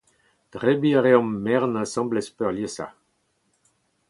Debriñ a reomp merenn asambles peurliesañ.